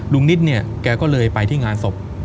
ลุงนิดแกก็เลยไปที่งานศพ